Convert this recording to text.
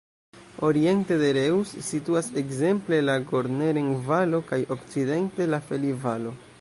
Oriente de Reuss situas ekzemple la "Gorneren-Valo" kaj okcidente la "Felli-Valo".